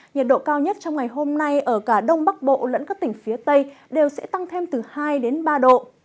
nhiệt độ cao nhất trong ngày hôm nay ở cả đông bắc bộ lẫn các tỉnh phía tây đều sẽ tăng thêm từ hai đến ba độ